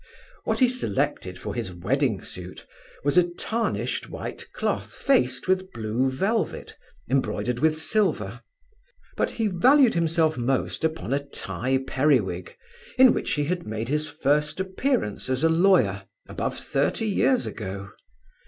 What he selected for his wedding suit, was a tarnished white cloth faced with blue velvet, embroidered with silver; but, he valued himself most upon a tye periwig, in which he had made his first appearance as a lawyer above thirty years ago.